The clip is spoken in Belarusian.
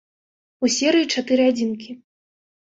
У серыі чатыры адзінкі.